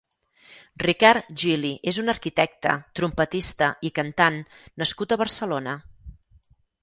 Ricard Gili és un arquitecte, trompetista i cantant nascut a Barcelona.